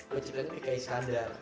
penciptanya pki sandar